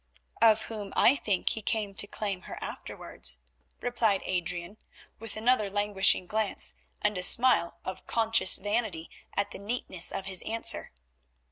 "Of whom I think he came to claim her afterwards," replied Adrian with another languishing glance, and a smile of conscious vanity at the neatness of his answer.